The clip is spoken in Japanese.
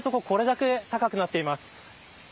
これだけ高くなっています。